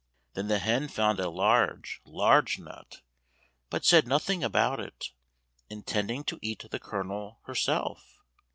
Then the hen found a large, large nut, but said nothing about it, intending to eat the kernel herself.